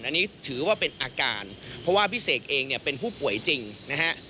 อันนี้ถือว่าเป็นอาการเพราะว่าพี่เสกเองเนี่ยเป็นผู้ป่วยจริงนะฮะ